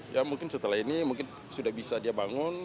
ya mungkin setelah ini mungkin sudah bisa dia bangun